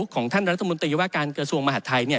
ของท่านรัฐมนตรีวาการกระทรวงมหัฐไทย